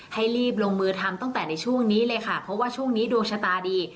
ให้รีบลงมือทำตั้งแต่ในช่วงนี้เลยค่ะเพราะว่าช่วงนี้ดวงชะตาดี